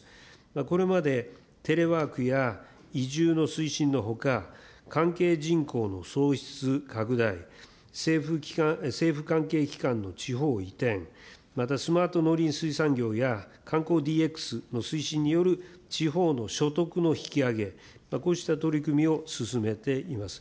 これまで、テレワークや移住の推進のほか、関係人口の創出、拡大、政府関係機関の地方移転、またスマート農林水産業や観光ＤＸの推進による地方の所得の引き上げ、こうした取り組みを進めています。